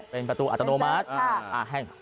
เป็นประตูอัตโนมัติแห่ง